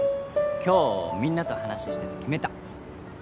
今日みんなと話してて決めた